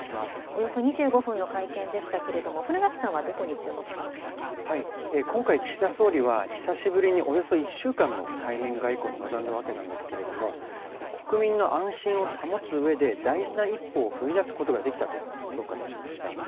およそ２５分の会見でしたけれども、古垣さんはどこに注目し今回、岸田総理は、久しぶりにおよそ１週間の対面外交に臨んだわけなんですけれども、国民の安心を保つうえで大事な一歩を踏み出すことができたと総括しました。